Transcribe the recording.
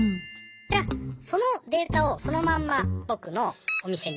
じゃそのデータをそのまんま僕のお店にコピーします。